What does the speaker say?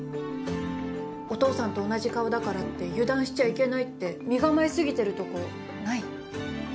お父さんと同じ顔だからって油断しちゃいけないって身構えすぎてるとこない？